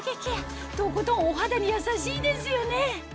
とことんお肌に優しいですよね